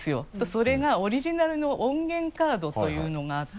それがオリジナルの音源カードというのがあって。